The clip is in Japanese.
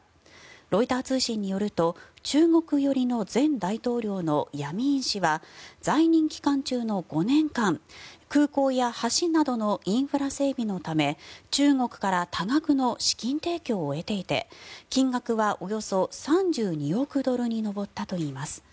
ロイター通信によると中国寄りの前大統領のヤミーン氏は在任期間中の５年間空港や橋などのインフラ整備のため中国から多額の資金提供を得ていて金額はおよそ３２億ドルに上ったといいます。